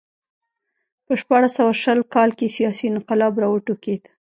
په شپاړس سوه شل کال کې سیاسي انقلاب راوټوکېد.